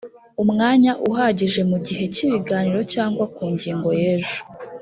umwanya uhagije mu gihe cy ibiganiro cyangwa ku ngingo yejo